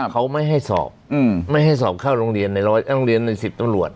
เขาไม่ให้สอบไม่ให้สอบเข้าโรงเรียนในสิบตำรวจ